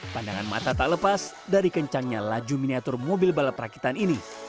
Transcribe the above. pandangan mata tak lepas dari kencangnya laju miniatur mobil balap rakitan ini